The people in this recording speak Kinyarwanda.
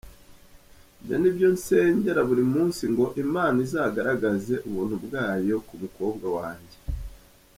Ibyo ni byo nsengera buri munsi ngo Imana izagargaze Ubuntu bwayo ku mukobwa wanjye.